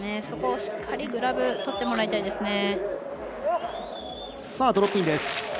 そこをしっかりグラブとってもらいたいです。